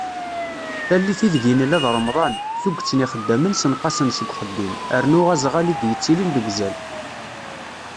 Tallit ideg i nella d Remḍan, tuget n yixeddamen senɣasen seg uxeddim, rnu azɣal i d-yettilin deg uzal.